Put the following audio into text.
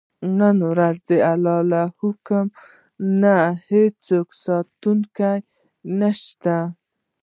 نن ورځ د الله له حکم نه هېڅوک ساتونکی نه شته.